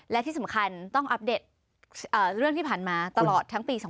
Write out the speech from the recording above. และที่สำคัญต้องอัปเดตเรื่องที่ผ่านมาตลอดทั้งปี๒๕๖